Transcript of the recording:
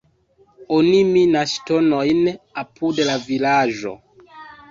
Oni minas ŝtonojn apud la vilaĝo.